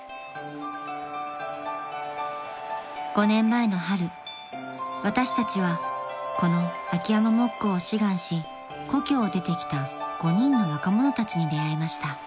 ［５年前の春私たちはこの秋山木工を志願し故郷を出てきた５人の若者たちに出会いました］